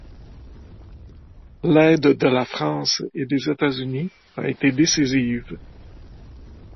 L'aide de la France et des États-Unis a été décisive.